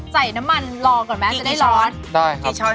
ใส่น้ำมันรอก่อนไหมจะได้ร้อน